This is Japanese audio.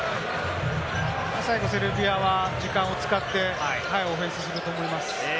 最後、セルビアは時間を使って、オフェンスすると思います。